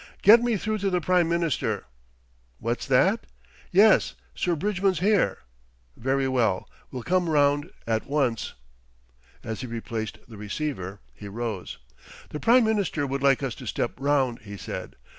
"Get me through to the Prime Minister. What's that? Yes, Sir Bridgman's here. Very well, we'll come round at once." As he replaced the receiver he rose. "The Prime Minister would like us to step round," he said.